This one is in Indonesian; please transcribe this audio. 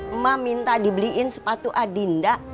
emak minta dibeliin sepatu adinda